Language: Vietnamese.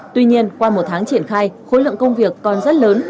tuy nhiên qua một tháng triển khai khối lượng công việc còn rất lớn